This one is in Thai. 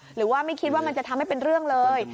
หรือว่าไม่คิดว่ามันจะทำให้เป็นเรื่องเลย